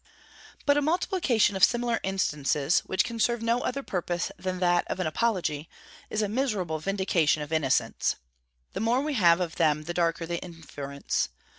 But a multiplication of similar instances, which can serve no other purpose than that of an apology, is a miserable vindication of innocence. The more we have of them the darker the inference.